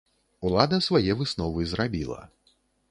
Улада свае высновы зрабіла.